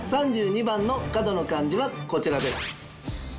３２番の角の漢字はこちらです